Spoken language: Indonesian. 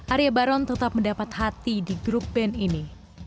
arya baron tetap mendapat hati di grup band ini